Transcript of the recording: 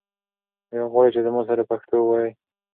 آیا غواړې چې زما سره پښتو ووایې؟